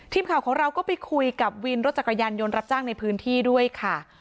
ทีมข่าวของเราก็ไปคุยกับวินรถจักรยานยนต์รับจ้างในพื้นที่ด้วยค่ะ